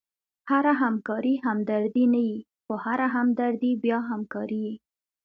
هره همکاري همدردي نه يي؛ خو هره همدردي بیا همکاري يي.